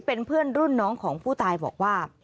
เป็นเพื่อนรุ่นน้องของผู้ตายบอกว่า